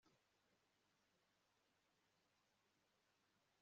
Chris ntabwo avuga cyane kubibazo bye